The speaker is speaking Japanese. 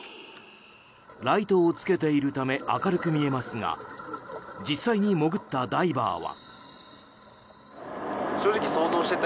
ライトをつけているため明るく見えますが実際に潜ったダイバーは。